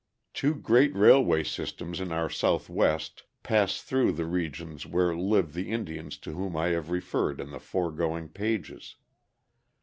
Two great railway systems in our Southwest pass through the regions where live the Indians to whom I have referred in the foregoing pages.